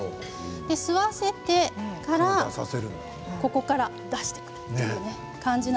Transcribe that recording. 吸わせてからここから出してくるという感じ。